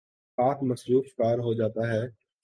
ساتھ ''مصروف کار" ہو جاتا ہے۔